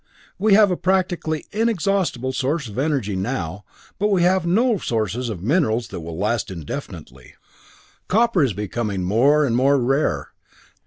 We have a practically inexhaustible source of energy now, but we have no sources of minerals that will last indefinitely. Copper is becoming more and more rare.